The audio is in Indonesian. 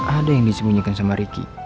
ada yang disembunyikan sama ricky